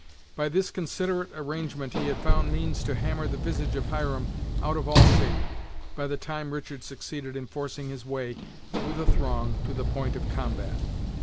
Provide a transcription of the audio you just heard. By this considerate arrangement he had found means to hammer the visage of Hiram out of all shape, by the time Richard succeeded in forcing his way through the throng to the point of combat.